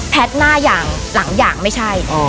หน้าอย่างหลังอย่างไม่ใช่